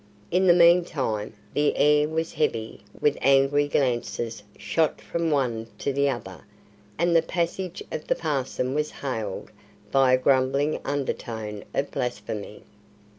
In the meantime the air was heavy with angry glances shot from one to the other, and the passage of the parson was hailed by a grumbling undertone of blasphemy.